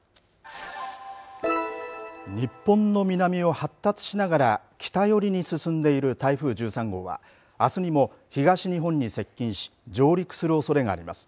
日本の南を発達しながら北寄りに進んでいる台風１３号はあすにも東日本に接近し上陸するおそれがあります。